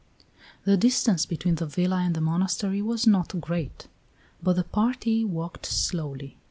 The distance between the villa and the monastery was not great, but the party walked slowly.